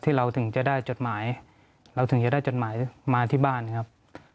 เราถึงจะได้จดหมายเราถึงจะได้จดหมายมาที่บ้านครับ